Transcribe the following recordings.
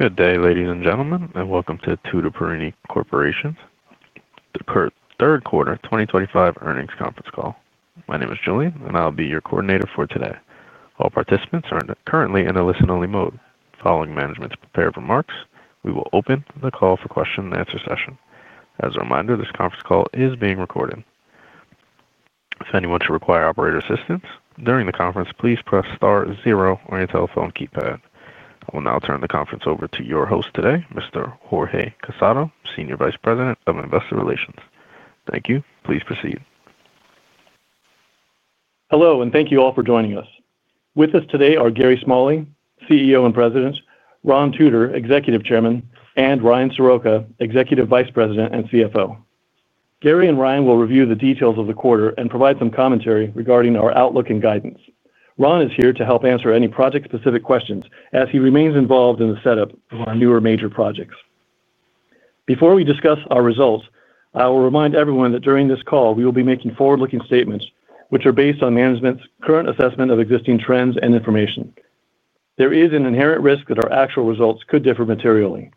Good day, ladies and gentlemen, and welcome to Tutor Perini Corporation's third quarter 2025 earnings conference call. My name is Julian, and I'll be your coordinator for today. All participants are currently in a listen-only mode. Following management's prepared remarks, we will open the call for question-and-answer session. As a reminder, this conference call is being recorded. If anyone should require operator assistance during the conference, please press star zero on your telephone keypad. I will now turn the conference over to your host today, Mr. Jorge Casado, Senior Vice President of Investor Relations. Thank you. Please proceed. Hello, and thank you all for joining us. With us today are Gary Smalley, CEO and President; Ron Tutor, Executive Chairman; and Ryan Soroka, Executive Vice President and CFO. Gary and Ryan will review the details of the quarter and provide some commentary regarding our outlook and guidance. Ron is here to help answer any project-specific questions as he remains involved in the setup of our newer major projects. Before we discuss our results, I will remind everyone that during this call, we will be making forward-looking statements which are based on management's current assessment of existing trends and information. There is an inherent risk that our actual results could differ materially.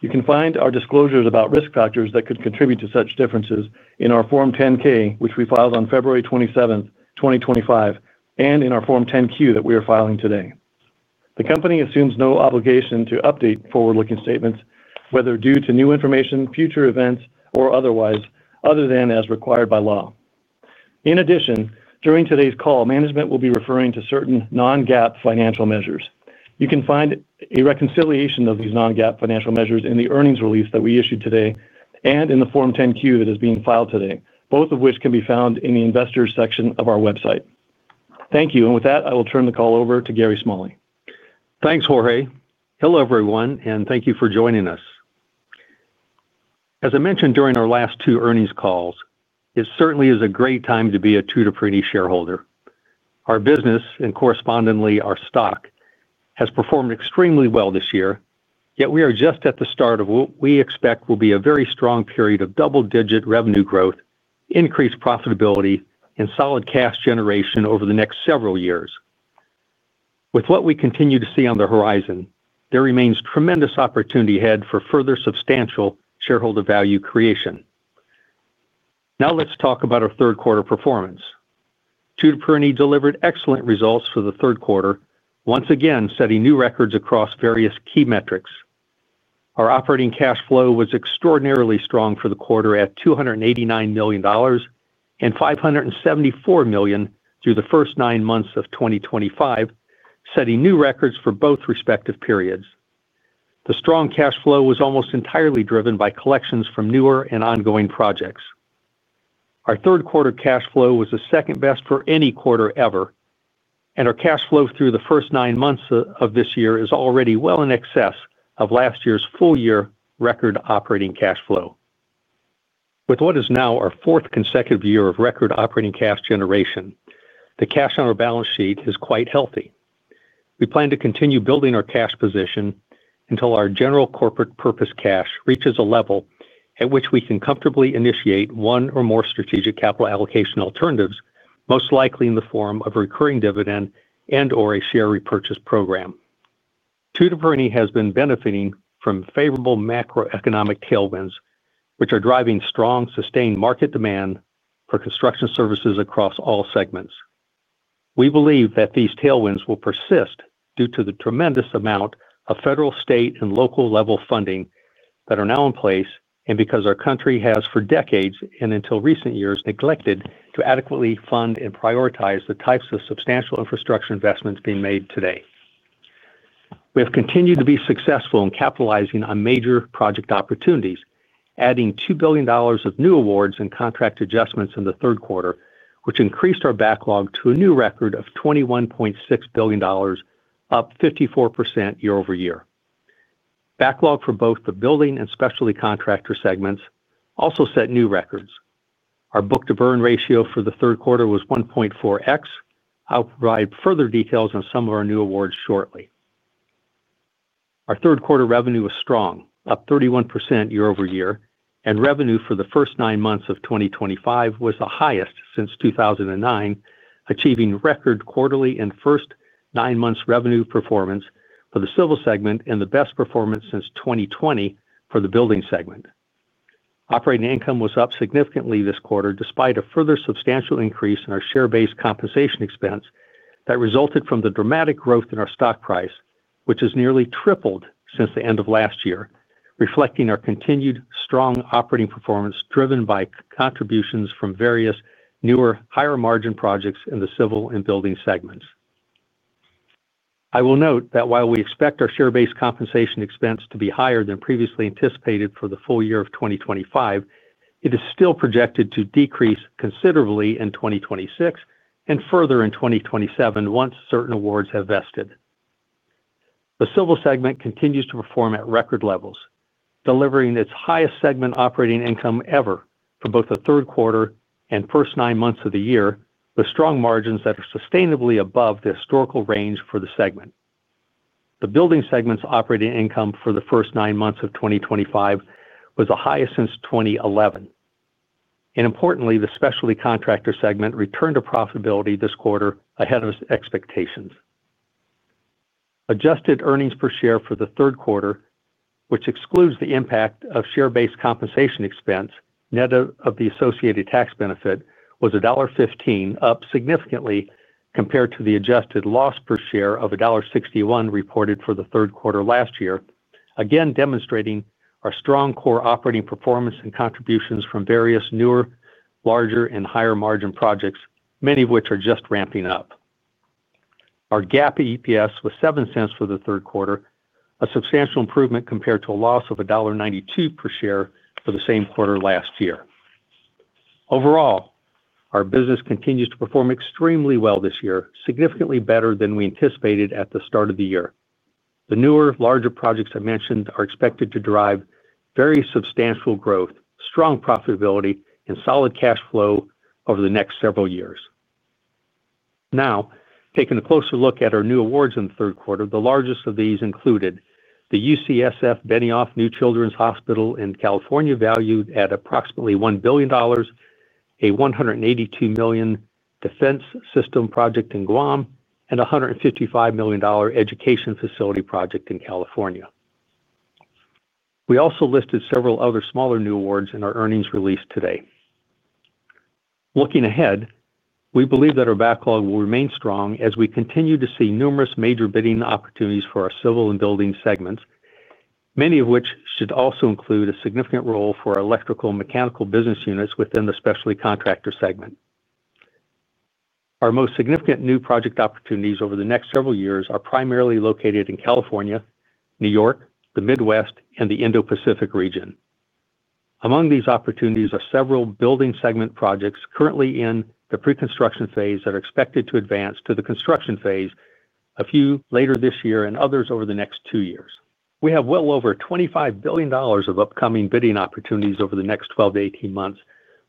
You can find our disclosures about risk factors that could contribute to such differences in our Form 10-K, which we filed on February 27, 2025, and in our Form 10-Q that we are filing today. The company assumes no obligation to update forward-looking statements, whether due to new information, future events, or otherwise, other than as required by law. In addition, during today's call, management will be referring to certain non-GAAP financial measures. You can find a reconciliation of these non-GAAP financial measures in the earnings release that we issued today and in the Form 10-Q that is being filed today, both of which can be found in the investors' section of our website. Thank you. With that, I will turn the call over to Gary Smalley. Thanks, Jorge. Hello, everyone, and thank you for joining us. As I mentioned during our last two earnings calls, it certainly is a great time to be a Tutor Perini shareholder. Our business, and correspondingly our stock, has performed extremely well this year, yet we are just at the start of what we expect will be a very strong period of double-digit revenue growth, increased profitability, and solid cash generation over the next several years. With what we continue to see on the horizon, there remains tremendous opportunity ahead for further substantial shareholder value creation. Now let's talk about our third-quarter performance. Tutor Perini delivered excellent results for the third quarter, once again setting new records across various key metrics. Our operating cash flow was extraordinarily strong for the quarter at $289 million. $574 million through the first nine months of 2025, setting new records for both respective periods. The strong cash flow was almost entirely driven by collections from newer and ongoing projects. Our third-quarter cash flow was the second best for any quarter ever. Our cash flow through the first nine months of this year is already well in excess of last year's full-year record operating cash flow. With what is now our fourth consecutive year of record operating cash generation, the cash on our balance sheet is quite healthy. We plan to continue building our cash position until our general corporate purpose cash reaches a level at which we can comfortably initiate one or more strategic capital allocation alternatives, most likely in the form of a recurring dividend and/or a share repurchase program. Tutor Perini has been benefiting from favorable macroeconomic tailwinds, which are driving strong, sustained market demand for construction services across all segments. We believe that these tailwinds will persist due to the tremendous amount of federal, state, and local-level funding that are now in place and because our country has for decades and until recent years neglected to adequately fund and prioritize the types of substantial infrastructure investments being made today. We have continued to be successful in capitalizing on major project opportunities, adding $2 billion of new awards and contract adjustments in the third quarter, which increased our backlog to a new record of $21.6 billion, up 54% year-over-year. Backlog for both the building and Specialty Contractor segments also set new records. Our book-to-burn ratio for the third quarter was 1.4x. I'll provide further details on some of our new awards shortly. Our third-quarter revenue was strong, up 31% year-over-year, and revenue for the first nine months of 2025 was the highest since 2009, achieving record quarterly and first nine-month revenue performance for the Civil segment and the best performance since 2020 for the Building segment. Operating income was up significantly this quarter despite a further substantial increase in our share-based compensation expense that resulted from the dramatic growth in our stock price, which has nearly tripled since the end of last year, reflecting our continued strong operating performance driven by contributions from various newer higher-margin projects in the Civil and Building segments. I will note that while we expect our share-based compensation expense to be higher than previously anticipated for the full year of 2025, it is still projected to decrease considerably in 2026 and further in 2027 once certain awards have vested. The Civil segment continues to perform at record levels, delivering its highest segment operating income ever for both the third quarter and first nine months of the year with strong margins that are sustainably above the historical range for the segment. The Building segment's operating income for the first nine months of 2025 was the highest since 2011. Importantly, the Specialty Contractor segment returned to profitability this quarter ahead of expectations. Adjusted earnings per share for the third quarter, which excludes the impact of share-based compensation expense net of the associated tax benefit, was $1.15, up significantly compared to the adjusted loss per share of $1.61 reported for the third quarter last year, again demonstrating our strong core operating performance and contributions from various newer, larger, and higher-margin projects, many of which are just ramping up. Our GAAP EPS was $0.07 for the third quarter, a substantial improvement compared to a loss of $1.92 per share for the same quarter last year. Overall, our business continues to perform extremely well this year, significantly better than we anticipated at the start of the year. The newer, larger projects I mentioned are expected to drive very substantial growth, strong profitability, and solid cash flow over the next several years. Now, taking a closer look at our new awards in the third quarter, the largest of these included the UCSF Benioff New Children's Hospital in California, valued at approximately $1 billion, a $182 million defense system project in Guam, and a $155 million education facility project in California. We also listed several other smaller new awards in our earnings release today. Looking ahead, we believe that our backlog will remain strong as we continue to see numerous major bidding opportunities for our Civil and Building segments, many of which should also include a significant role for our electrical and mechanical business units within the Specialty Contractor segment. Our most significant new project opportunities over the next several years are primarily located in California, New York, the Midwest, and the Indo-Pacific region. Among these opportunities are several Building segment projects currently in the pre-construction phase that are expected to advance to the construction phase a few later this year and others over the next two years. We have well over $25 billion of upcoming bidding opportunities over the next 12 to 18 months,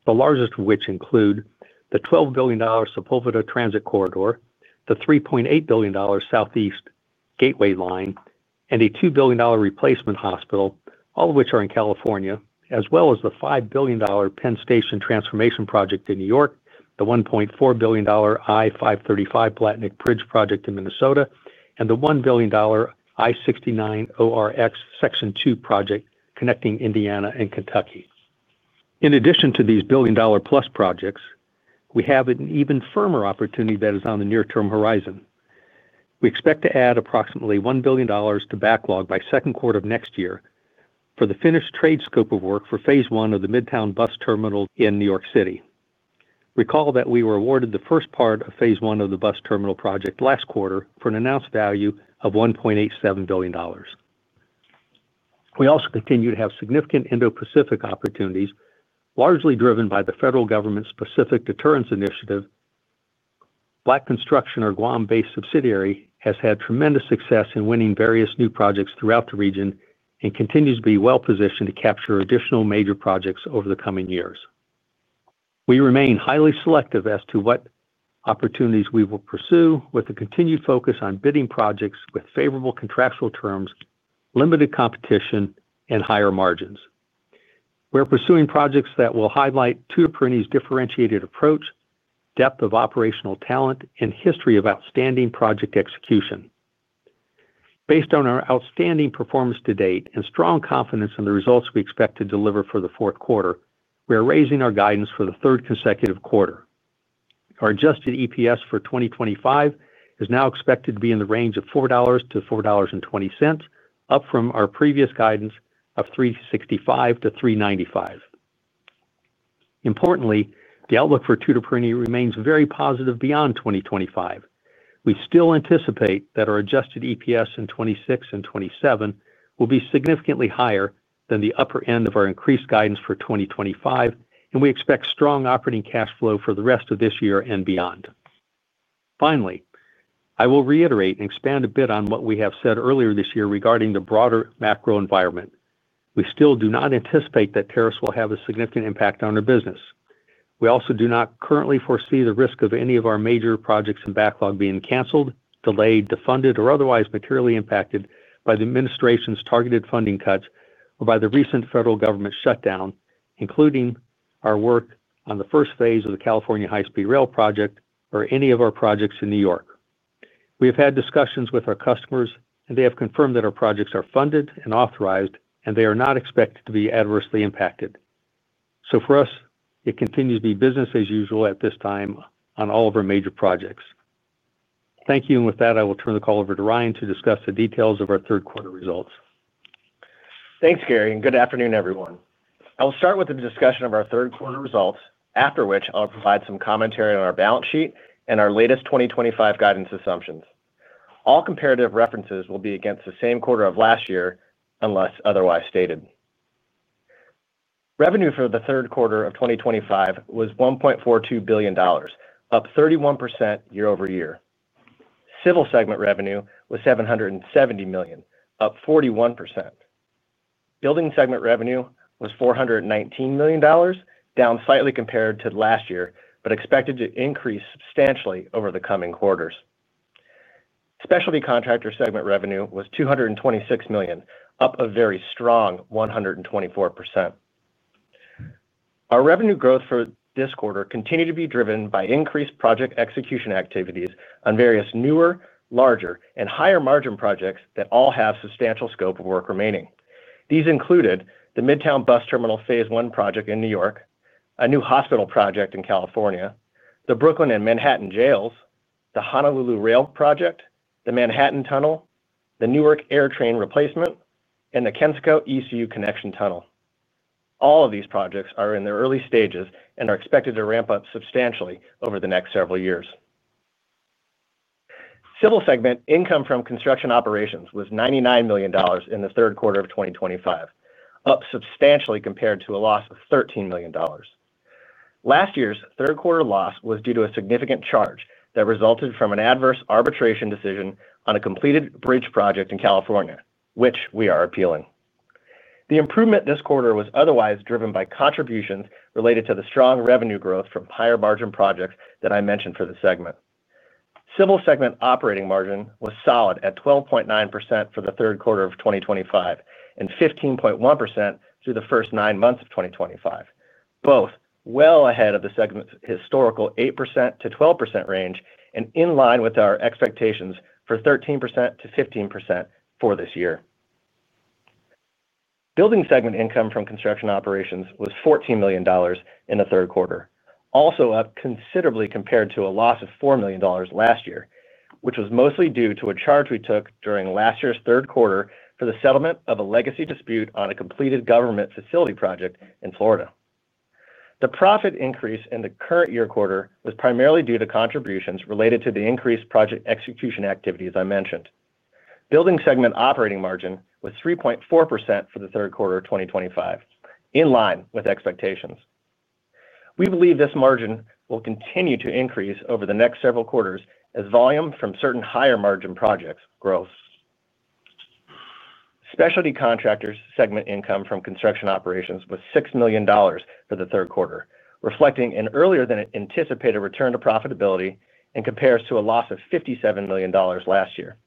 the largest of which include the $12 billion Sepulveda Transit Corridor, the $3.8 billion Southeast Gateway Line, and a $2 billion replacement hospital, all of which are in California, as well as the $5 billion Penn Station transformation project in New York, the $1.4 billion I-35W Blatnik Bridge project in Minnesota, and the $1 billion I-69 ORX Section 2 project connecting Indiana and Kentucky. In addition to these billion-dollar-plus projects, we have an even firmer opportunity that is on the near-term horizon. We expect to add approximately $1 billion to backlog by second quarter of next year for the finished trade scope of work for phase one of the Midtown Bus Terminal in New York City. Recall that we were awarded the first part of phase one of the bus terminal project last quarter for an announced value of $1.87 billion. We also continue to have significant Indo-Pacific opportunities, largely driven by the federal government's Pacific Deterrence Initiative. Black Construction, our Guam-based subsidiary, has had tremendous success in winning various new projects throughout the region and continues to be well-positioned to capture additional major projects over the coming years. We remain highly selective as to what opportunities we will pursue with a continued focus on bidding projects with favorable contractual terms, limited competition, and higher margins. We're pursuing projects that will highlight Tutor Perini's differentiated approach, depth of operational talent, and history of outstanding project execution. Based on our outstanding performance to date and strong confidence in the results we expect to deliver for the fourth quarter, we are raising our guidance for the third consecutive quarter. Our adjusted EPS for 2025 is now expected to be in the range of $4-$4.20, up from our previous guidance of $3.65-$3.95. Importantly, the outlook for Tutor Perini remains very positive beyond 2025. We still anticipate that our adjusted EPS in 2026 and 2027 will be significantly higher than the upper end of our increased guidance for 2025, and we expect strong operating cash flow for the rest of this year and beyond. Finally, I will reiterate and expand a bit on what we have said earlier this year regarding the broader macro environment. We still do not anticipate that tariffs will have a significant impact on our business. We also do not currently foresee the risk of any of our major projects and backlog being canceled, delayed, defunded, or otherwise materially impacted by the administration's targeted funding cuts or by the recent federal government shutdown, including our work on the first phase of the California High-Speed Rail project or any of our projects in New York. We have had discussions with our customers, and they have confirmed that our projects are funded and authorized, and they are not expected to be adversely impacted. For us, it continues to be business as usual at this time on all of our major projects. Thank you. With that, I will turn the call over to Ryan to discuss the details of our third-quarter results. Thanks, Gary. Good afternoon, everyone. I will start with a discussion of our third-quarter results, after which I'll provide some commentary on our balance sheet and our latest 2025 guidance assumptions. All comparative references will be against the same quarter of last year unless otherwise stated. Revenue for the third quarter of 2025 was $1.42 billion, up 31% year-over-year. Civil segment revenue was $770 million, up 41%. Building segment revenue was $419 million, down slightly compared to last year, but expected to increase substantially over the coming quarters. Specialty Contractor segment revenue was $226 million, up a very strong 124%. Our revenue growth for this quarter continued to be driven by increased project execution activities on various newer, larger, and higher-margin projects that all have substantial scope of work remaining. These included the Midtown Bus Terminal Phase 1 project in New York, a new hospital project in California, the Brooklyn and Manhattan jails, the Honolulu Rail project, the Manhattan Tunnel, the Newark AirTrain replacement, and the Kensico ECU Connection Tunnel. All of these projects are in their early stages and are expected to ramp up substantially over the next several years. Civil segment income from construction operations was $99 million in the third quarter of 2025, up substantially compared to a loss of $13 million. Last year's third-quarter loss was due to a significant charge that resulted from an adverse arbitration decision on a completed bridge project in California, which we are appealing. The improvement this quarter was otherwise driven by contributions related to the strong revenue growth from higher-margin projects that I mentioned for the segment. Civil segment operating margin was solid at 12.9% for the third quarter of 2025 and 15.1% through the first nine months of 2025, both well ahead of the segment's historical 8%-12% range and in line with our expectations for 13%-15% for this year. Building segment income from construction operations was $14 million in the third quarter, also up considerably compared to a loss of $4 million last year, which was mostly due to a charge we took during last year's third quarter for the settlement of a legacy dispute on a completed government facility project in Florida. The profit increase in the current year quarter was primarily due to contributions related to the increased project execution activities I mentioned. Building segment operating margin was 3.4% for the third quarter of 2025, in line with expectations. We believe this margin will continue to increase over the next several quarters as volume from certain higher-margin projects grows. Specialty Contractors' segment income from construction operations was $6 million for the third quarter, reflecting an earlier-than-anticipated return to profitability and compares to a loss of $57 million last year.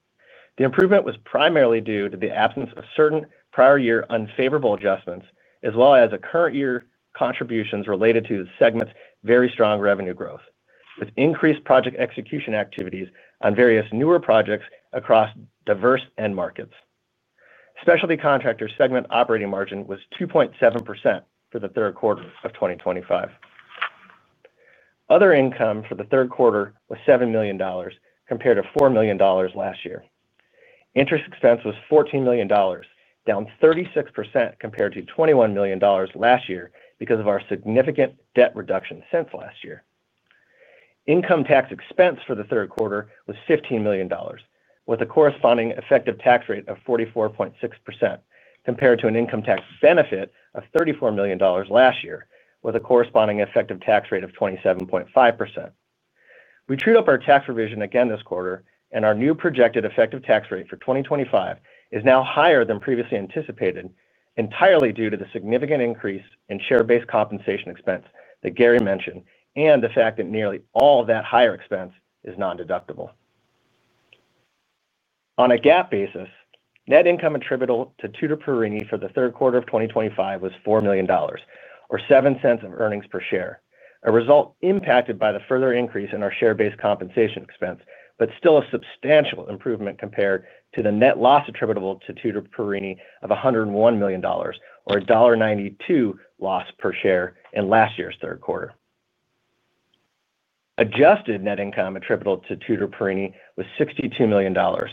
The improvement was primarily due to the absence of certain prior-year unfavorable adjustments, as well as the current-year contributions related to the segment's very strong revenue growth, with increased project execution activities on various newer projects across diverse end markets. Specialty Contractors' segment operating margin was 2.7% for the third quarter of 2025. Other income for the third quarter was $7 million compared to $4 million last year. Interest expense was $14 million, down 36% compared to $21 million last year because of our significant debt reduction since last year. Income tax expense for the third quarter was $15 million, with a corresponding effective tax rate of 44.6% compared to an income tax benefit of $34 million last year, with a corresponding effective tax rate of 27.5%. We trued up our tax revision again this quarter, and our new projected effective tax rate for 2025 is now higher than previously anticipated, entirely due to the significant increase in share-based compensation expense that Gary mentioned and the fact that nearly all that higher expense is non-deductible. On a GAAP basis, net income attributable to Tutor Perini for the third quarter of 2025 was $4 million, or $0.07 of earnings per share, a result impacted by the further increase in our share-based compensation expense, but still a substantial improvement compared to the net loss attributable to Tutor Perini of $101 million, or $1.92 loss per share in last year's third quarter. Adjusted net income attributable to Tutor Perini was $62 million, or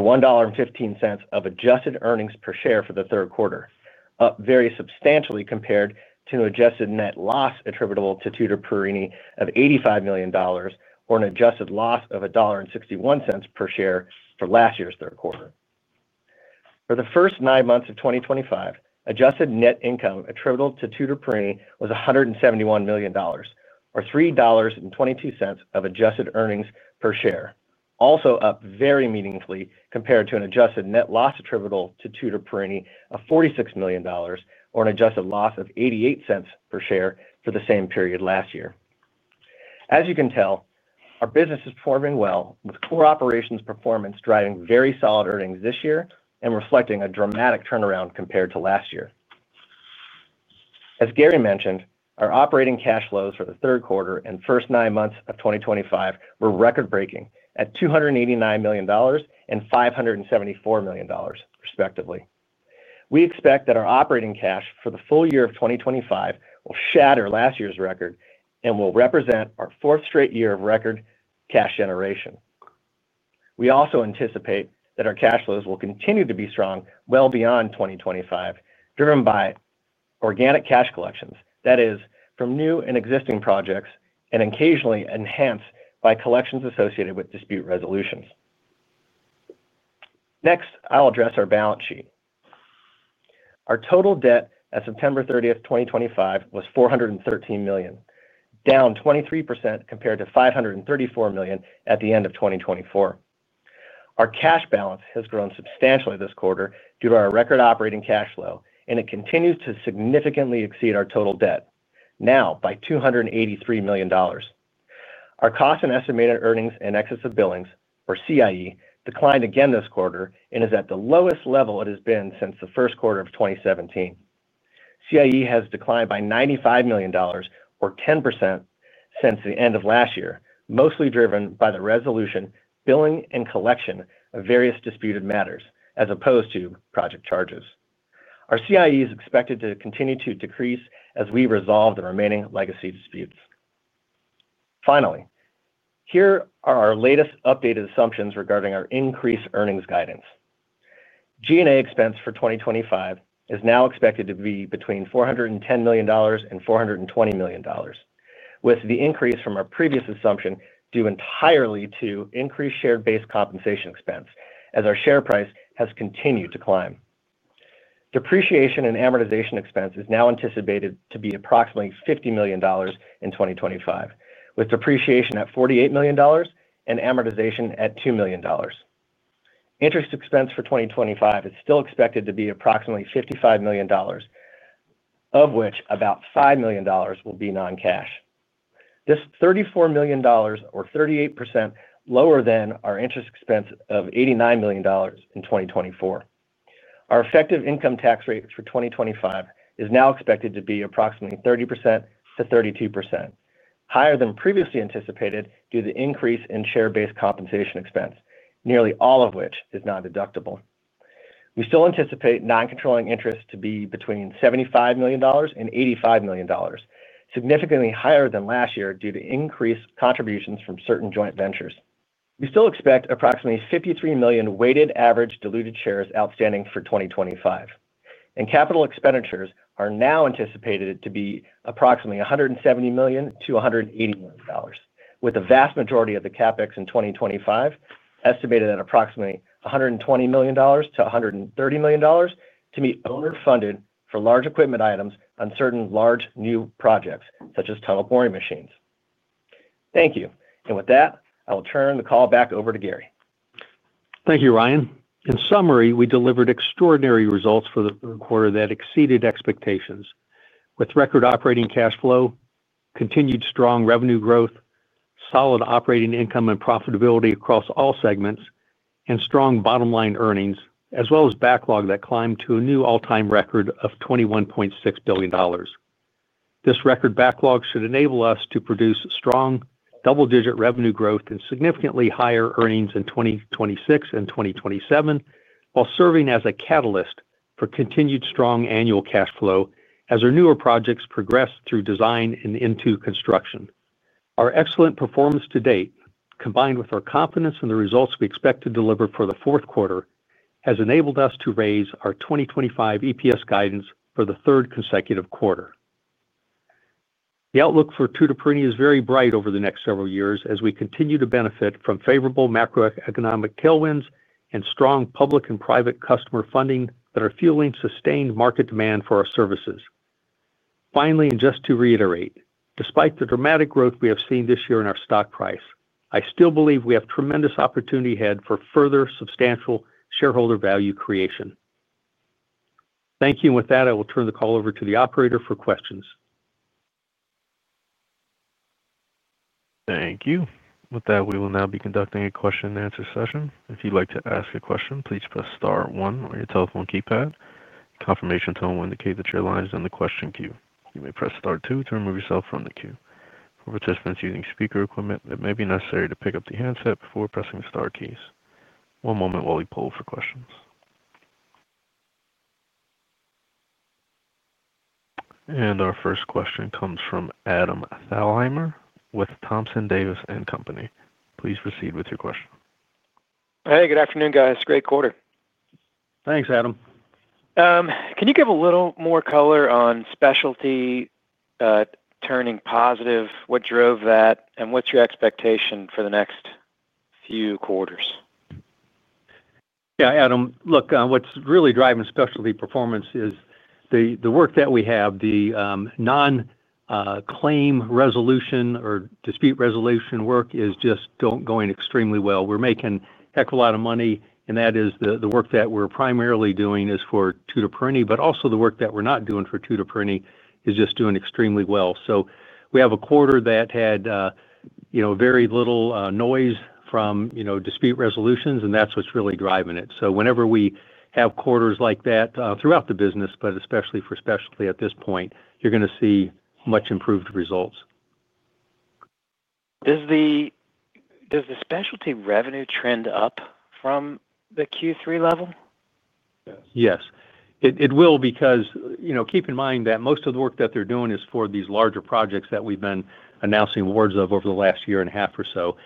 $1.15 of adjusted earnings per share for the third quarter, up very substantially compared to an adjusted net loss attributable to Tutor Perini of $85 million, or an adjusted loss of $1.61 per share for last year's third quarter. For the first nine months of 2025, adjusted net income attributable to Tutor Perini was $171 million, or $3.22 of adjusted earnings per share, also up very meaningfully compared to an adjusted net loss attributable to Tutor Perini of $46 million, or an adjusted loss of $0.88 per share for the same period last year. As you can tell, our business is performing well, with core operations performance driving very solid earnings this year and reflecting a dramatic turnaround compared to last year. As Gary mentioned, our operating cash flows for the third quarter and first nine months of 2025 were record-breaking at $289 million and $574 million, respectively. We expect that our operating cash for the full year of 2025 will shatter last year's record and will represent our fourth straight year of record cash generation. We also anticipate that our cash flows will continue to be strong well beyond 2025, driven by organic cash collections, that is, from new and existing projects, and occasionally enhanced by collections associated with dispute resolutions. Next, I'll address our balance sheet. Our total debt as of September 30, 2025, was $413 million, down 23% compared to $534 million at the end of 2024. Our cash balance has grown substantially this quarter due to our record operating cash flow, and it continues to significantly exceed our total debt, now by $283 million. Our cost and estimated earnings in excess of billings, or CIE, declined again this quarter and is at the lowest level it has been since the first quarter of 2017. CIE has declined by $95 million, or 10%, since the end of last year, mostly driven by the resolution, billing, and collection of various disputed matters, as opposed to project charges. Our CIE is expected to continue to decrease as we resolve the remaining legacy disputes. Finally, here are our latest updated assumptions regarding our increased earnings guidance. G&A expense for 2025 is now expected to be between $410 million and $420 million, with the increase from our previous assumption due entirely to increased share-based compensation expense, as our share price has continued to climb. Depreciation and amortization expense is now anticipated to be approximately $50 million in 2025, with depreciation at $48 million and amortization at $2 million. Interest expense for 2025 is still expected to be approximately $55 million, of which about $5 million will be non-cash. This is $34 million, or 38% lower than our interest expense of $89 million in 2024. Our effective income tax rate for 2025 is now expected to be approximately 30%-32%, higher than previously anticipated due to the increase in share-based compensation expense, nearly all of which is non-deductible. We still anticipate non-controlling interest to be between $75 million and $85 million, significantly higher than last year due to increased contributions from certain joint ventures. We still expect approximately 53 million weighted average diluted shares outstanding for 2025. Capital expenditures are now anticipated to be approximately $170 million-$180 million, with the vast majority of the CapEx in 2025 estimated at approximately $120 million-$130 million to be owner-funded for large equipment items on certain large new projects, such as tunnel boring machines. Thank you. With that, I will turn the call back over to Gary. Thank you, Ryan. In summary, we delivered extraordinary results for the quarter that exceeded expectations, with record operating cash flow, continued strong revenue growth, solid operating income and profitability across all segments, and strong bottom-line earnings, as well as backlog that climbed to a new all-time record of $21.6 billion. This record backlog should enable us to produce strong double-digit revenue growth and significantly higher earnings in 2026 and 2027, while serving as a catalyst for continued strong annual cash flow as our newer projects progress through design and into construction. Our excellent performance to date, combined with our confidence in the results we expect to deliver for the fourth quarter, has enabled us to raise our 2025 EPS guidance for the third consecutive quarter. The outlook for Tutor Perini is very bright over the next several years as we continue to benefit from favorable macroeconomic tailwinds and strong public and private customer funding that are fueling sustained market demand for our services. Finally, and just to reiterate, despite the dramatic growth we have seen this year in our stock price, I still believe we have tremendous opportunity ahead for further substantial shareholder value creation. Thank you. With that, I will turn the call over to the operator for questions. Thank you. With that, we will now be conducting a question-and-answer session. If you'd like to ask a question, please press star one on your telephone keypad. A confirmation tone will indicate that your line is in the question queue. You may press star two to remove yourself from the queue. For participants using speaker equipment, it may be necessary to pick up the handset before pressing the star keys. One moment while we poll for questions. Our first question comes from Adam Thalhimer with Thompson Davis and Company. Please proceed with your question. Hey, good afternoon, guys. Great quarter. Thanks, Adam. Can you give a little more color on specialty turning positive? What drove that, and what's your expectation for the next few quarters? Yeah, Adam, look, what's really driving specialty performance is the work that we have. The non-claim resolution or dispute resolution work is just going extremely well. We're making a heck of a lot of money, and that is the work that we're primarily doing is for Tutor Perini, but also the work that we're not doing for Tutor Perini is just doing extremely well. We have a quarter that had very little noise from dispute resolutions, and that's what's really driving it. Whenever we have quarters like that throughout the business, but especially for specialty at this point, you're going to see much improved results. Does the specialty revenue trend up from the Q3 level? Yes. It will because keep in mind that most of the work that they're doing is for these larger projects that we've been announcing awards of over the last year and a half or so.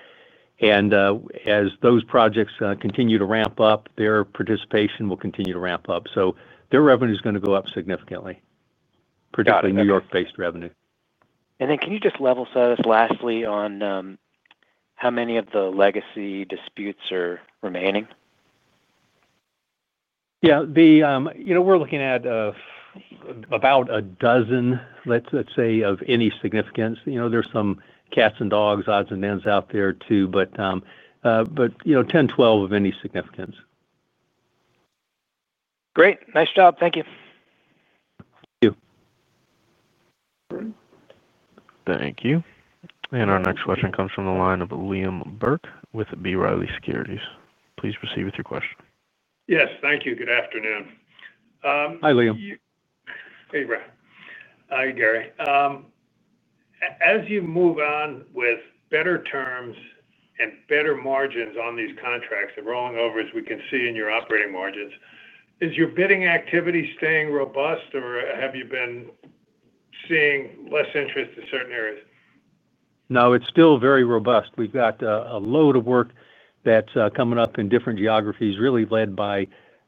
As those projects continue to ramp up, their participation will continue to ramp up. Their revenue is going to go up significantly. Particularly New York-based revenue. Can you just level set us lastly on how many of the legacy disputes are remaining? Yeah. We're looking at about a dozen, let's say, of any significance. There's some cats and dogs, odds and ends out there too, but 10-12 of any significance. Great. Nice job. Thank you. Thank you. Thank you. Our next question comes from the line of Liam Burke with B. Riley Securities. Please proceed with your question. Yes. Thank you. Good afternoon. Hi, Liam. Hey, Ryan. Hi, Gary. As you move on with better terms and better margins on these contracts and rolling over, as we can see in your operating margins, is your bidding activity staying robust, or have you been seeing less interest in certain areas? No, it's still very robust. We've got a load of work that's coming up in different geographies, really led by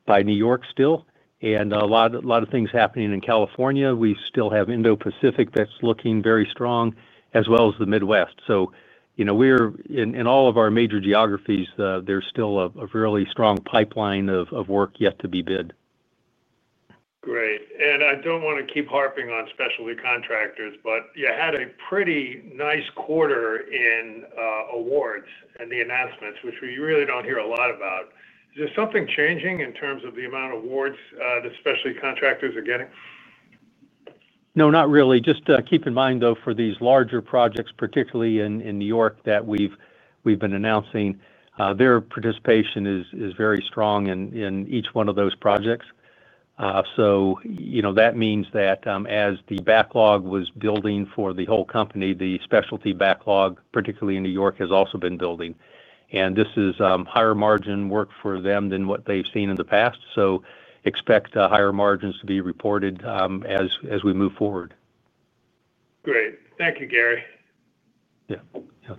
New York still, and a lot of things happening in California. We still have Indo-Pacific that's looking very strong, as well as the Midwest. In all of our major geographies, there's still a really strong pipeline of work yet to be bid. Great. I don't want to keep harping on Specialty Contractors, but you had a pretty nice quarter in awards and the announcements, which we really don't hear a lot about. Is there something changing in terms of the amount of awards that Specialty Contractors are getting? No, not really. Just keep in mind, though, for these larger projects, particularly in New York that we've been announcing, their participation is very strong in each one of those projects. That means that as the backlog was building for the whole company, the specialty backlog, particularly in New York, has also been building. This is higher margin work for them than what they've seen in the past. Expect higher margins to be reported as we move forward. Great. Thank you, Gary. Yeah.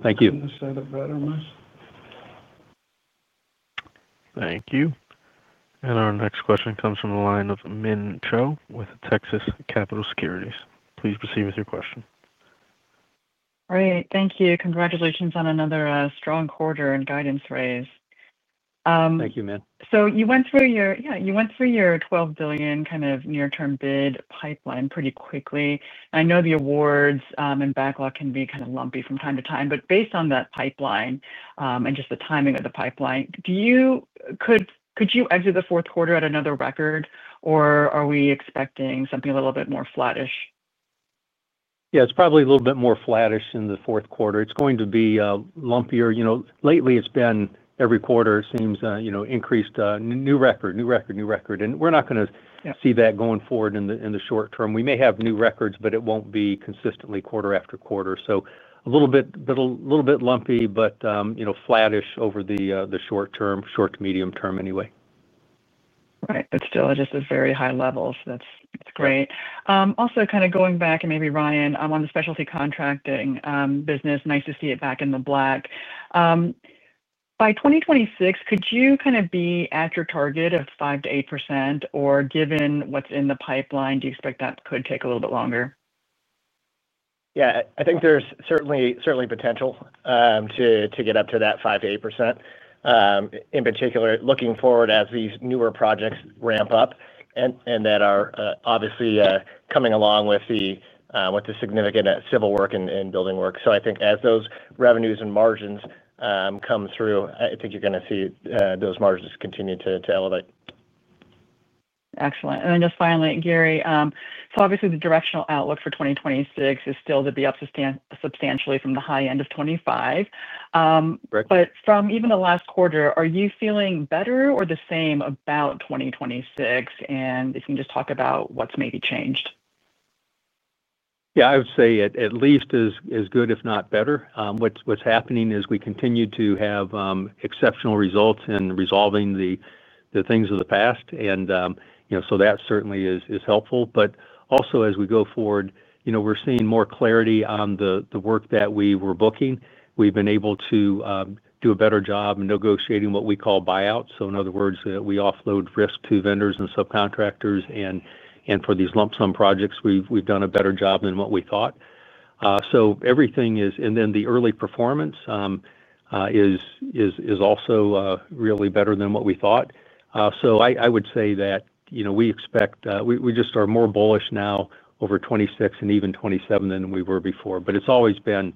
Thank you. Thank you. Our next question comes from the line of Min Cho with Texas Capital Securities. Please proceed with your question. All right. Thank you. Congratulations on another strong quarter and guidance raise. Thank you, Min. You went through your $12 billion kind of near-term bid pipeline pretty quickly. I know the awards and backlog can be kind of lumpy from time to time, but based on that pipeline and just the timing of the pipeline, could you exit the fourth quarter at another record, or are we expecting something a little bit more flattish? Yeah, it's probably a little bit more flattish in the fourth quarter. It's going to be lumpier. Lately, it's been every quarter, it seems, increased new record, new record, new record. We're not going to see that going forward in the short term. We may have new records, but it won't be consistently quarter after quarter. A little bit lumpy, but flattish over the short term, short to medium term anyway. Right. But still, just at very high levels. That's great. Also, kind of going back, and maybe, Ryan, I'm on the specialty contracting business. Nice to see it back in the black. By 2026, could you kind of be at your target of 5-8%, or given what's in the pipeline, do you expect that could take a little bit longer? Yeah. I think there's certainly potential to get up to that 5-8%. In particular, looking forward as these newer projects ramp up and that are obviously coming along with the significant civil work and building work. I think as those revenues and margins come through, I think you're going to see those margins continue to elevate. Excellent. And then just finally, Gary, so obviously, the directional outlook for 2026 is still to be up substantially from the high end of 2025. From even the last quarter, are you feeling better or the same about 2026? If you can just talk about what's maybe changed. Yeah, I would say at least as good, if not better. What's happening is we continue to have exceptional results in resolving the things of the past. That certainly is helpful. Also, as we go forward, we're seeing more clarity on the work that we were booking. We've been able to do a better job in negotiating what we call buyouts. In other words, we offload risk to vendors and subcontractors. For these lump sum projects, we've done a better job than what we thought. Everything is—and then the early performance is also really better than what we thought. I would say that we expect—we just are more bullish now over 2026 and even 2027 than we were before. It has always been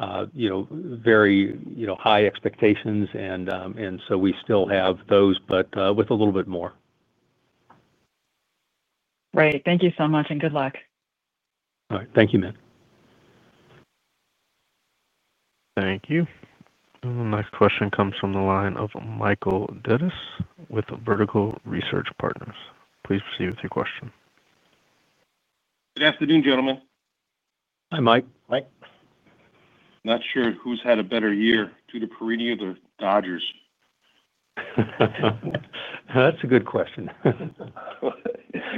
very high expectations. We still have those, but with a little bit more. Great. Thank you so much. Good luck. All right. Thank you, Min. Thank you. The next question comes from the line of Michael Dudas with Vertical Research Partners. Please proceed with your question. Good afternoon, gentlemen. Hi, Mike. Mike. Not sure who's had a better year, Tutor Perini or the Dodgers? That's a good question.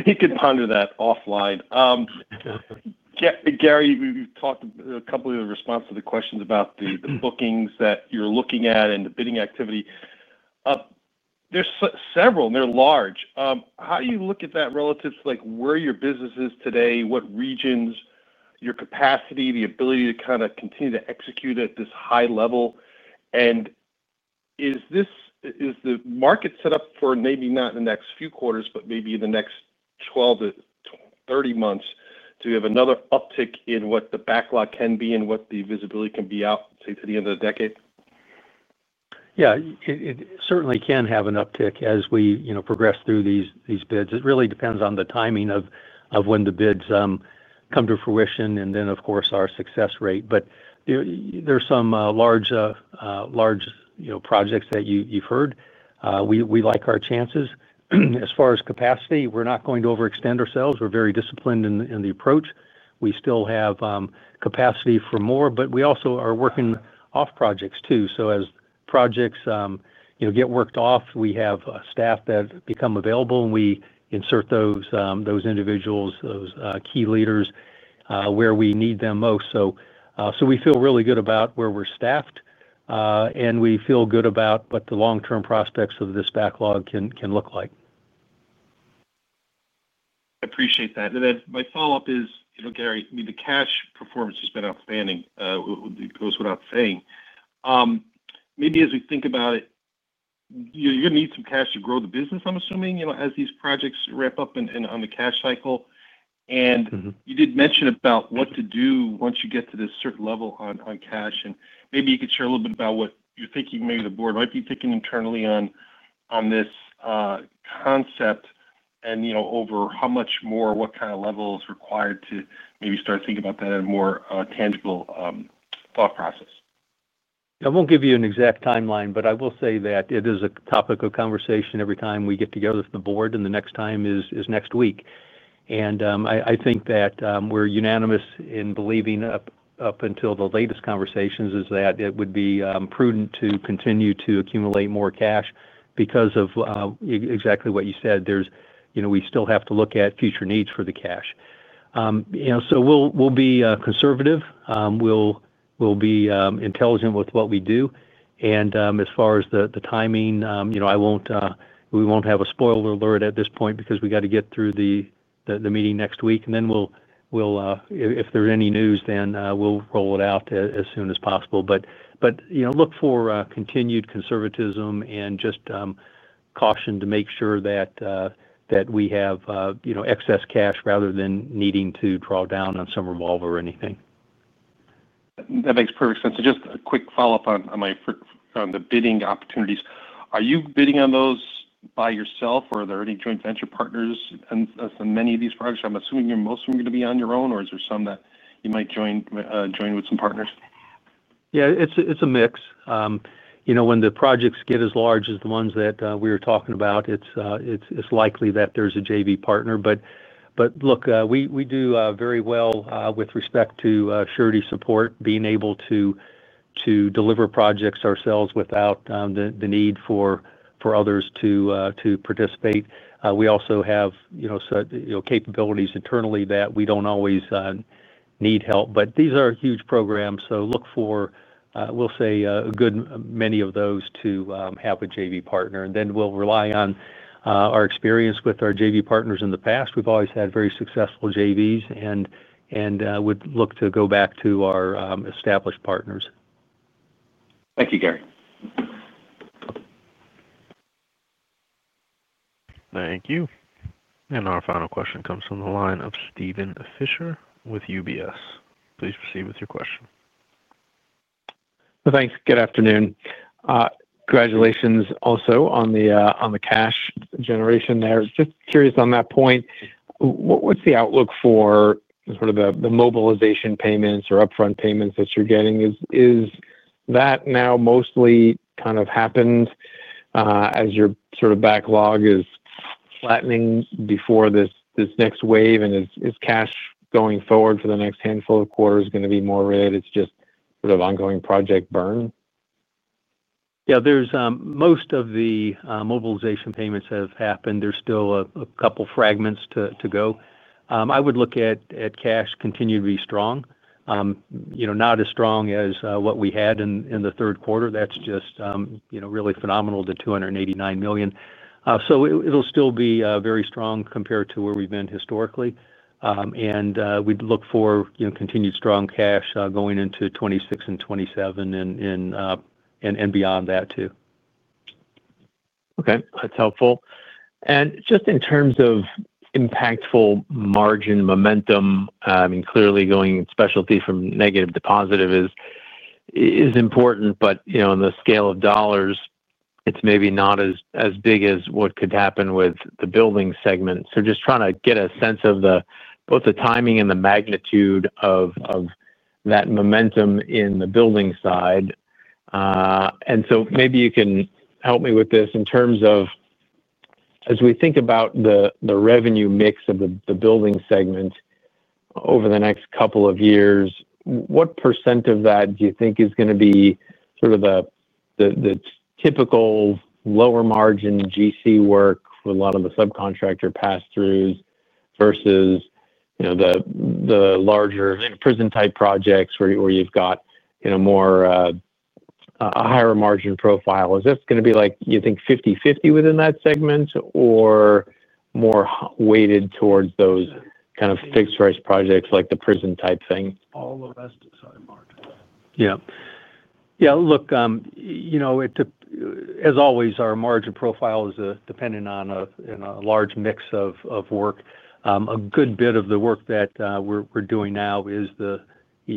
He could ponder that offline. Gary, we've talked a couple of the responses to the questions about the bookings that you're looking at and the bidding activity. There's several, and they're large. How do you look at that relative to where your business is today, what regions, your capacity, the ability to kind of continue to execute at this high level? Is the market set up for maybe not in the next few quarters, but maybe in the next 12 to 30 months, to have another uptick in what the backlog can be and what the visibility can be out, say, to the end of the decade? Yeah. It certainly can have an uptick as we progress through these bids. It really depends on the timing of when the bids come to fruition and then, of course, our success rate. There are some large projects that you've heard. We like our chances. As far as capacity, we're not going to overextend ourselves. We're very disciplined in the approach. We still have capacity for more, but we also are working off projects too. As projects get worked off, we have staff that become available, and we insert those individuals, those key leaders where we need them most. We feel really good about where we're staffed. We feel good about what the long-term prospects of this backlog can look like. I appreciate that. Then my follow-up is, Gary, I mean, the cash performance has been outstanding. It goes without saying. Maybe as we think about it, you're going to need some cash to grow the business, I'm assuming, as these projects ramp up on the cash cycle. You did mention about what to do once you get to this certain level on cash. Maybe you could share a little bit about what you're thinking, maybe the board might be thinking internally on this concept and over how much more, what kind of level is required to maybe start thinking about that in a more tangible thought process. I won't give you an exact timeline, but I will say that it is a topic of conversation every time we get together with the board, and the next time is next week. I think that we're unanimous in believing up until the latest conversations is that it would be prudent to continue to accumulate more cash because of exactly what you said. We still have to look at future needs for the cash. We will be conservative. We will be intelligent with what we do. As far as the timing, we won't have a spoiler alert at this point because we have to get through the meeting next week. If there's any news, then we will roll it out as soon as possible. Look for continued conservatism and just caution to make sure that. We have excess cash rather than needing to draw down on some revolver or anything. That makes perfect sense. Just a quick follow-up on the bidding opportunities. Are you bidding on those by yourself, or are there any joint venture partners in many of these projects? I'm assuming most of them are going to be on your own, or is there some that you might join with some partners? Yeah, it's a mix. When the projects get as large as the ones that we were talking about, it's likely that there's a JV partner. Look, we do very well with respect to surety support, being able to deliver projects ourselves without the need for others to participate. We also have capabilities internally that we don't always need help. These are huge programs. Look for, we'll say, a good many of those to have a JV partner. We rely on our experience with our JV partners in the past. We've always had very successful JVs and would look to go back to our established partners. Thank you, Gary. Thank you. Our final question comes from the line of Steven Fisher with UBS. Please proceed with your question. Thanks. Good afternoon. Congratulations also on the cash generation there. Just curious on that point. What's the outlook for, sort of, the mobilization payments or upfront payments that you're getting? Is that now mostly kind of happened, as your sort of backlog is flattening before this next wave? Is cash going forward for the next handful of quarters going to be more rare? It's just sort of ongoing project burn? Yeah. Most of the mobilization payments have happened. There's still a couple of fragments to go. I would look at cash continuing to be strong. Not as strong as what we had in the third quarter. That's just really phenomenal to $289 million. It will still be very strong compared to where we've been historically. I would look for continued strong cash going into 2026 and 2027 and beyond that too. Okay. That's helpful. And just in terms of impactful margin momentum, I mean, clearly going specialty from negative to positive is important, but on the scale of dollars, it's maybe not as big as what could happen with the Building segment. Just trying to get a sense of both the timing and the magnitude of that momentum in the building side. Maybe you can help me with this in terms of, as we think about the revenue mix of the Building segment over the next couple of years, what % of that do you think is going to be sort of the typical lower margin GC work for a lot of the subcontractor pass-throughs versus the larger prison-type projects where you've got more, a higher margin profile? Is this going to be, like, you think, 50/50 within that segment, or more weighted towards those kind of fixed-price projects like the prison-type thing? All the rest of the side margin. Yeah. Yeah. Look. As always, our margin profile is dependent on a large mix of work. A good bit of the work that we're doing now is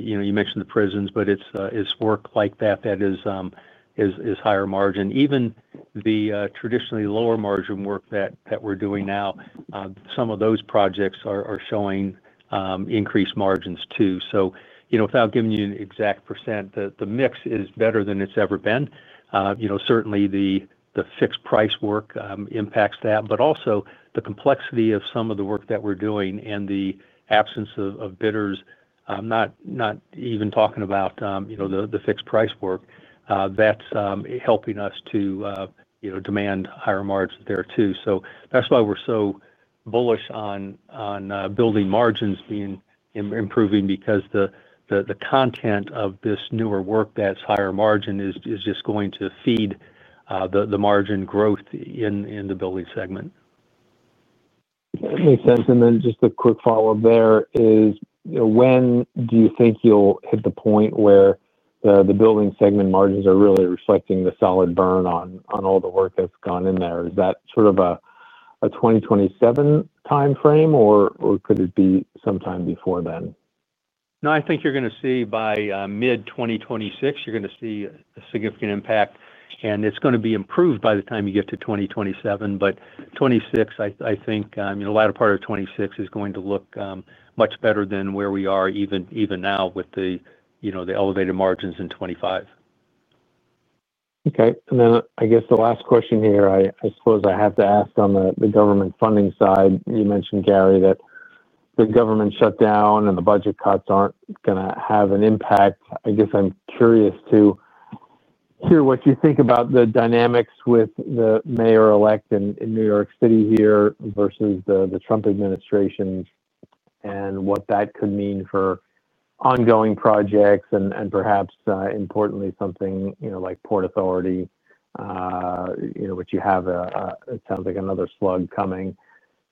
the—you mentioned the prisons, but it's work like that that is higher margin. Even the traditionally lower margin work that we're doing now, some of those projects are showing increased margins too. Without giving you an exact %, the mix is better than it's ever been. Certainly, the fixed-price work impacts that, but also the complexity of some of the work that we're doing and the absence of bidders, not even talking about the fixed-price work, that's helping us to demand higher margins there too. That's why we're so bullish on building margins improving because the content of this newer work that's higher margin is just going to feed the margin growth in the Building segment. That makes sense. And then just a quick follow-up, there is, when do you think you'll hit the point where the Building segment margins are really reflecting the solid burn on all the work that's gone in there? Is that sort of a 2027 timeframe, or could it be sometime before then? No, I think you're going to see by mid-2026, you're going to see a significant impact. It's going to be improved by the time you get to 2027. '26, I think, I mean, the latter part of '26 is going to look much better than where we are even now with the elevated margins in '25. Okay. I guess the last question here, I suppose I have to ask on the government funding side. You mentioned, Gary, that the government shutdown and the budget cuts aren't going to have an impact. I guess I'm curious to hear what you think about the dynamics with the mayor-elect in New York City here versus the Trump administration, and what that could mean for ongoing projects and perhaps, importantly, something like Port Authority, which you have, it sounds like, another slug coming.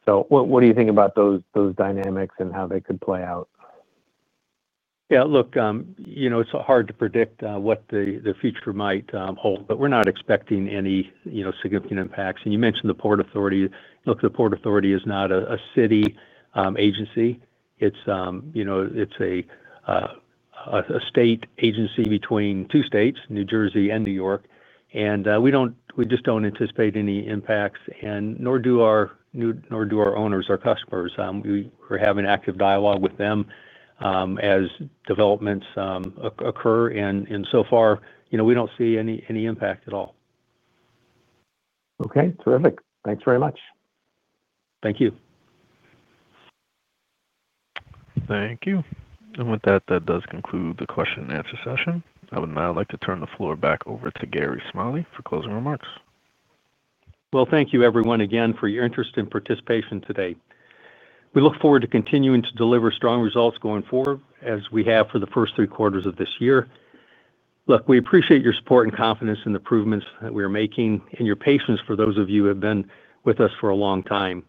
What do you think about those dynamics and how they could play out? Yeah. Look, it's hard to predict what the future might hold, but we're not expecting any significant impacts. You mentioned the Port Authority. Look, the Port Authority is not a city agency. It's a state agency between two states, New Jersey and New York. We just don't anticipate any impacts, nor do our owners, our customers. We're having active dialogue with them as developments occur. So far, we don't see any impact at all. Okay. Terrific. Thanks very much. Thank you. Thank you. With that, that does conclude the question-and-answer session. I would now like to turn the floor back over to Gary Smalley for closing remarks. Thank you, everyone, again, for your interest and participation today. We look forward to continuing to deliver strong results going forward as we have for the first three quarters of this year. We appreciate your support and confidence in the improvements that we are making and your patience for those of you who have been with us for a long time.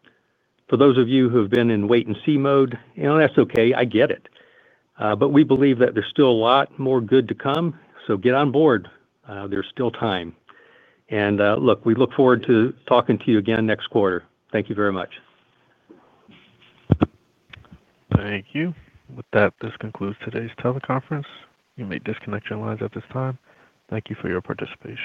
For those of you who have been in wait-and-see mode, that's okay. I get it. We believe that there's still a lot more good to come. Get on board. There's still time. We look forward to talking to you again next quarter. Thank you very much. Thank you. With that, this concludes today's teleconference. You may disconnect your lines at this time. Thank you for your participation.